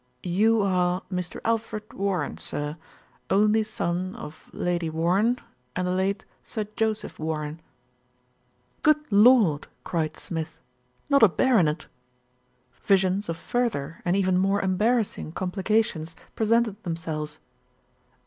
"You are Mr. Alfred Warren, sir, only son of Lady Warren and the late Sir Joseph Warren." "Good Lord!" cried Smith, "not a baronet?" Vi sions of further and even more embarrassing complica tions presented themselves.